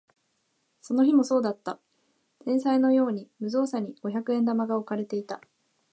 その日もそうだった。賽銭のように無造作に五百円玉が置かれていた。